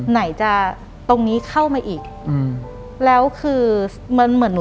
หลังจากนั้นเราไม่ได้คุยกันนะคะเดินเข้าบ้านอืม